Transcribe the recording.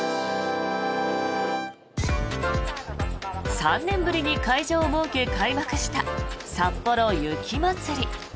３年ぶりに会場を設け開幕したさっぽろ雪まつり。